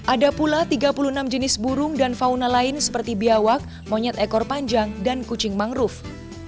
ada pula tiga puluh enam jenis burung dan fauna lain seperti biawak monyet ekor panjang dan kucing mangrove